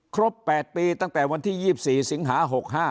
ครบ๘ปีตั้งแต่วันที่๒๔สิงหา๖๕